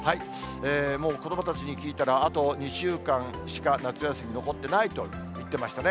もう子どもたちに聞いたら、あと２週間しか、夏休み残ってないと言ってましたね。